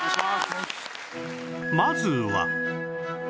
まずは